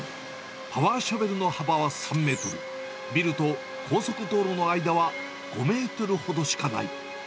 パワーショベルの幅は３メートル、ビルと高速道路の間は５メートルほどしかない。